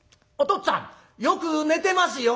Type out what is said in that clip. っつぁんよく寝てますよ」。